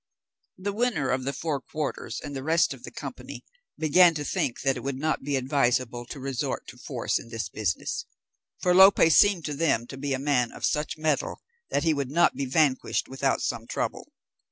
The winner of the four quarters and the rest of the company began to think that it would not be advisable to resort to force in this business, for Lope seemed to them to be a man of such mettle, that he would not be vanquished without some trouble.